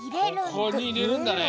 ここにいれるんだね。